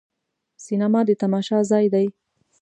سینما د تماشا ځای دی.